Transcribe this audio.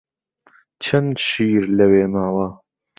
چەند شیر لەوێ ماوە؟